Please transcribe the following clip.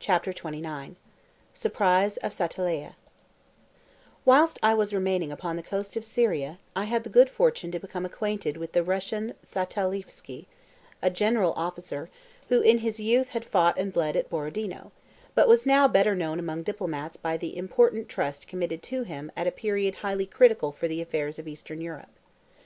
CHAPTER XXIX—SURPRISE OF SATALIEH Whilst I was remaining upon the coast of Syria I had the good fortune to become acquainted with the Russian Sataliefsky, a general officer, who in his youth had fought and bled at Borodino, but was now better known among diplomats by the important trust committed to him at a period highly critical for the affairs of Eastern Europe.